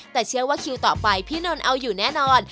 แต่เชื่อว่าคิวต่อไปพี่นนท์เอาอยู่แน่นอน